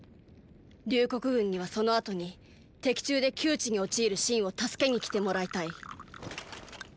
隆国軍にはその後に敵中で窮地に陥る信を助けに来てもらいたい。